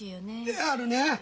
であるね。